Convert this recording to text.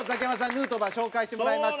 ヌートバーを紹介してもらいました。